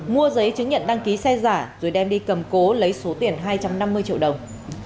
mua giấy chứng nhận đăng ký xe giả rồi đem đi cầm cố lấy số tiền hai trăm năm mươi triệu đồng